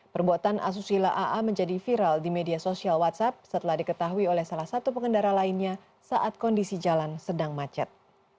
perbuatan asusila aa menjadi viral di media sosial whatsapp setelah diketahui oleh salah satu pengendara lainnya saat kondisi jalan sedang macet